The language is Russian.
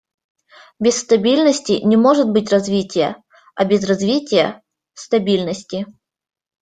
Без стабильности не может быть развития, а без развития — стабильности.